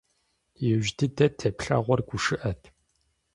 Иужь дыдэ теплъэгъуэр гушыӀэт.